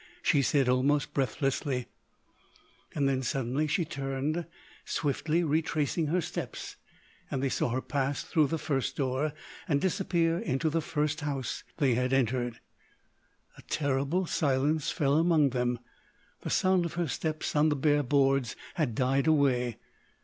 she said almost breathlessly. Then, suddenly she turned, swiftly retracing her steps; and they saw her pass through the first door and disappear into the first house they had entered. A terrible silence fell among them. The sound of her steps on the bare boards had died away.